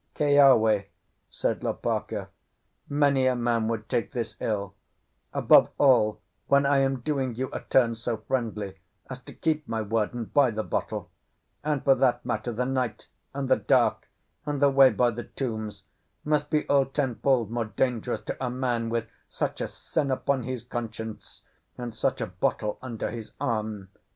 "Keawe," said Lopaka, "many a man would take this ill; above all, when I am doing you a turn so friendly, as to keep my word and buy the bottle; and for that matter, the night and the dark, and the way by the tombs, must be all tenfold more dangerous to a man with such a sin upon his conscience, and such a bottle under his arm.